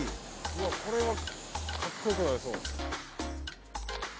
うわっこれは格好良くなりそう。